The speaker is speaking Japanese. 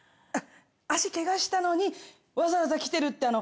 足ケガしたのにわざわざ来てるってあの。